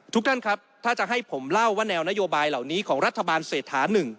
ทุกท่านครับถ้าจะให้ผมเล่าว่าแนวนโยบายเหล่านี้ของรัฐบาลเศรษฐา๑